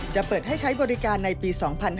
จะเปิดให้ใช้บริการในปี๒๕๕๙